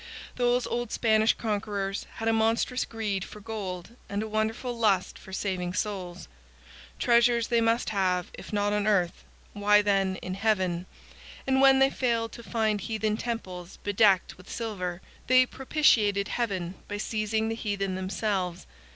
Those old Spanish conquerors had a monstrous greed for gold and a wonderful lust for saving souls. Treasures they must have, if not on earth, why, then, in heaven; and when they failed to find heathen temples bedecked with silver, they propitiated Heaven by seizing the heathen themselves.